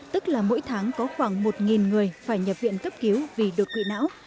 tức là mỗi tháng có khoảng một người phải nhập viện cấp cứu vì đột quỵ não